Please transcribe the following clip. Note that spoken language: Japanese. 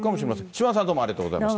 島田さん、どうもありがとうございました。